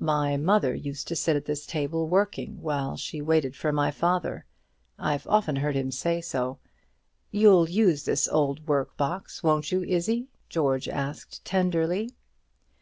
"My mother used to sit at this table working, while she waited for my father; I've often heard him say so. You'll use the old work box, won't you, Izzie?" George asked, tenderly.